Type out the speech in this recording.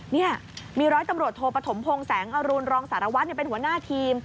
เนี๊ยะมีร้อยตำรถโทระถมพลงแสงอะรูณรองสารวัสเนี่ยเป็นหัวหน้าทีม